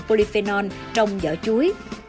polyphenol trong giỏ chuối